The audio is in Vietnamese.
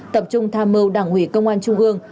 tập trung tham mưu đảng ủy công an trung ương